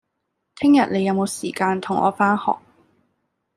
聽日你有無時間同我返學